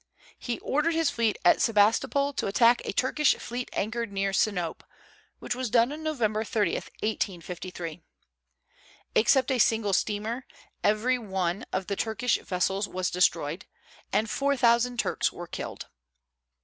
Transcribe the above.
He ordered his fleet at Sebastopol to attack a Turkish fleet anchored near Sinope, which was done Nov. 30, 1853. Except a single steamer, every one of the Turkish vessels was destroyed, and four thousand Turks were killed.